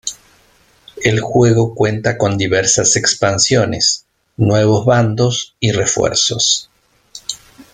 El juego cuenta con diversas expansiones, nuevos bandos y refuerzos.